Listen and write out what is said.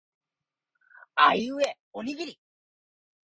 あいうえおにぎり